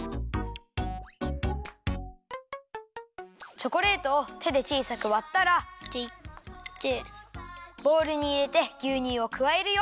チョコレートをてでちいさくわったらボウルにいれてぎゅうにゅうをくわえるよ。